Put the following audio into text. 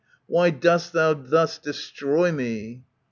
Why dost thou thus destroy me